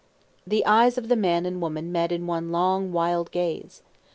The eyes of the man and woman met in one long, wild gaze.